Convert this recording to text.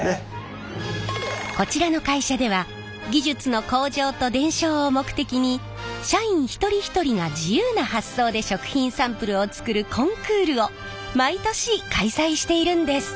こちらの会社では技術の向上と伝承を目的に社員一人一人が自由な発想で食品サンプルを作るコンクールを毎年開催しているんです！